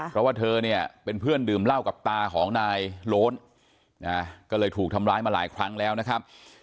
เพราะว่าเธอเนี่ยเป็นเพื่อนดื่มเหล้ากับตาของนายโล้นก็เลยถูกทำร้ายมาหลายครั้งแล้วนะครับ